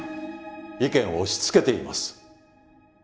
意見を押しつけています！